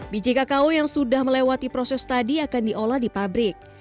biji kakao yang sudah melewati proses tadi akan diolah di pabrik